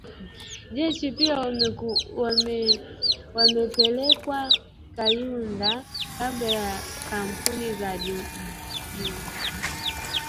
Jeshi pia wamepelekwa Kayunga kabla ya kampeni za Jumanne